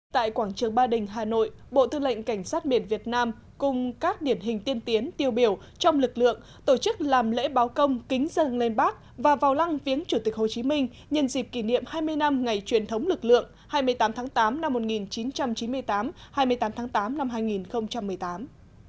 tại quảng trường ba đình hà nội bộ thư lệnh cảnh sát biển việt nam cùng các điển hình tiên tiến tiêu biểu trong lực lượng tổ chức làm lễ báo công kính dân lên bác và vào lăng viếng chủ tịch hồ chí minh nhân dịp kỷ niệm hai mươi năm ngày truyền thống lực lượng hai mươi tám tháng tám năm một nghìn chín trăm chín mươi tám hai mươi tám tháng tám năm hai nghìn một mươi tám